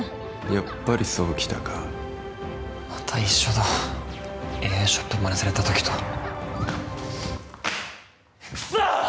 やっぱりそうきたかまた一緒だＡＩショップマネされた時とクソッ！